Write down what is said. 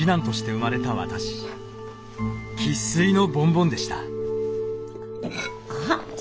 生っ粋のボンボンでした。